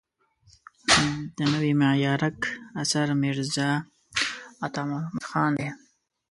د نوای معارک اثر میرزا عطا محمد خان دی.